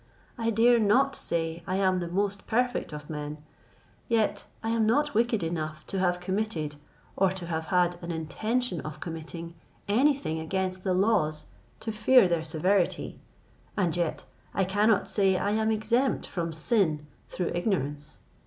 I dare not say I am the most perfect of men; yet I am not wicked enough to have committed, or to have had an intention of committing any thing against the laws to fear their severity; and yet I cannot say I am exempt from sin through ignorance.